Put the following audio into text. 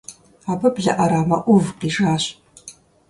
Абы блэ Ӏэрамэ Ӏув къижащ.